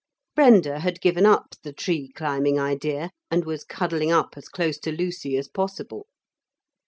Brenda had given up the tree climbing idea, and was cuddling up as close to Lucy as possible.